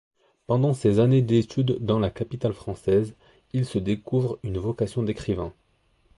Pendant ses années d'études dans la capitale française, il se découvre une vocation d'écrivain.